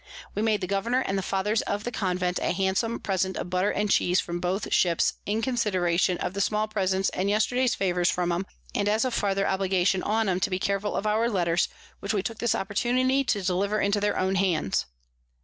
We made the Governour and the Fathers of the Convent a handsom Present of Butter and Cheese from both Ships, in consideration of the small Presents and yesterday's Favours from 'em, and as a farther Obligation on 'em to be careful of our Letters, which we took this opportunity to deliver into their own hands.